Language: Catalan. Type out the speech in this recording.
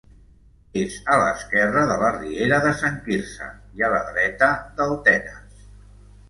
És a l'esquerra de la riera de Sant Quirze i a la dreta del Tenes.